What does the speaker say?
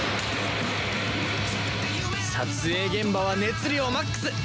撮影現場は熱量マックス！